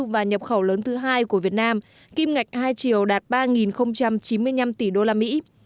và nhập khẩu lớn thứ hai của việt nam kim ngạch hai triệu đạt ba chín mươi năm tỷ đô la mỹ